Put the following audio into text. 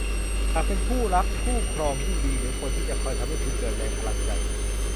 หากเป็นคู่รักคู่ครองยิ่งดี หรือคนที่จะคอยทำให้คุณเกิดแรงพลังใจ